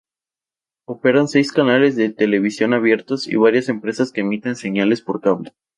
Operan seis canales de televisión abiertos y varias empresas que emiten señales por cable.